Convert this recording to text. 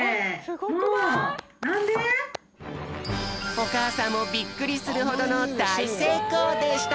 おかあさんもびっくりするほどのだいせいこうでした！